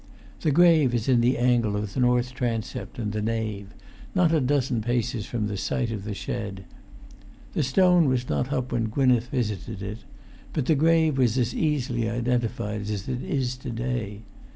The grave is in the angle of the north transept and the nave, not a dozen paces from the site of the shed. The stone was not up when Gwynneth visited it, but the grave was as easily identified as it is to day.